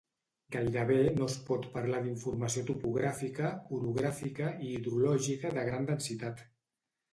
Gairebé no es pot parlar d'informació topogràfica, orogràfica i hidrològica de gran densitat.